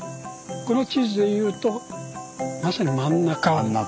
この地図でいうとまさに真ん中。